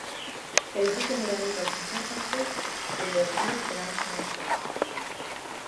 Էդիկը նրանից օգնություն խնդրեց, և վերջինս նրան չմերժեց։